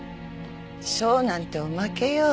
賞なんておまけよ。